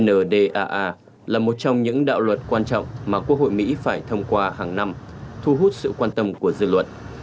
ndaa là một trong những đạo luật quan trọng mà quốc hội mỹ phải thông qua hàng năm thu hút sự quan tâm của dư luận